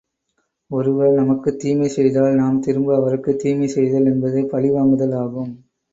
ஒருவர் நமக்குத் தீமை செய்தால் நாம் திரும்ப அவருக்குத் தீமை செய்தல் என்பது பழி வாங்குதல் ஆகும்.